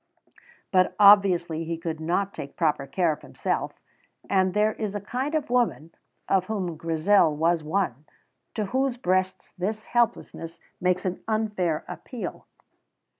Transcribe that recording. But obviously he could not take proper care of himself, and there is a kind of woman, of whom Grizel was one, to whose breasts this helplessness makes an unfair appeal.